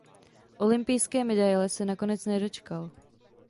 Olympijské medaile se nakonec nedočkal.